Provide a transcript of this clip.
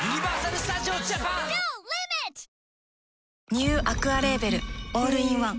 ニューアクアレーベルオールインワン